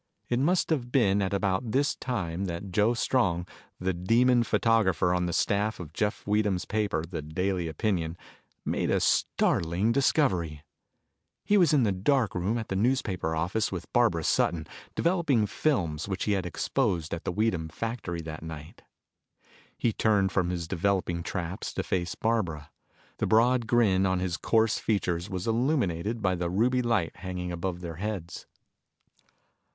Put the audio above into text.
It must have been at about this time that Joe Strong, that demon photographer on the staff of Jeff Weedham's paper, The Daily Opinion, made a startling discovery. He was in the dark room at the newspaper office with Barbara Sutton, developing films which he had exposed at the Weedham factory that night. He turned from his developing traps to face Barbara. The broad grin on his coarse features was illuminated by the ruby light hanging above their heads.